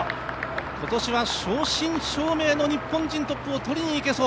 今年は正真正銘の日本人トップを取りにいけそう。